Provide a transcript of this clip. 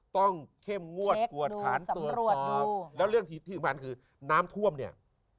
ต้องเข้มงวดกวดขาดเติบแล้วเรื่องที่อุปกรณ์คือน้ำท่วมเนี่ย